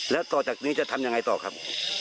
แล้วต่อจากนี้จะทำยังไงต่อครับ